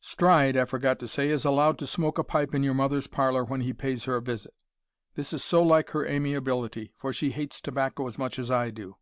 "Stride, I forgot to say, is allowed to smoke a pipe in your mother's parlour when he pays her a visit. This is so like her amiability, for she hates tobacco as much as I do.